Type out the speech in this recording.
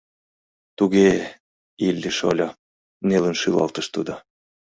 — Туг-ге, Илли-шольо! — нелын шӱлалтыш тудо.